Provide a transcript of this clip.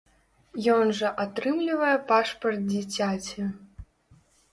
Ён жа атрымлівае пашпарт дзіцяці.